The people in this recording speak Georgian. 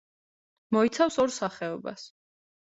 მოიცავს ორ სახეობას.